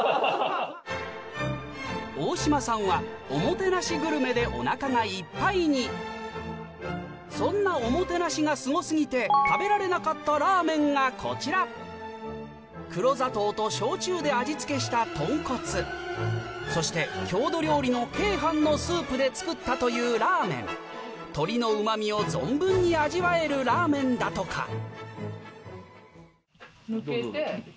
大島さんはおもてなしグルメでおなかがいっぱいにそんなおもてなしがすご過ぎて食べられなかったラーメンがこちらそして郷土料理の鶏飯のスープで作ったというラーメン鶏のうま味を存分に味わえるラーメンだとか抜けて。